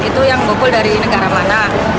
itu yang ngumpul dari negara mana